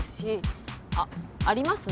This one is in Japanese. あっあります？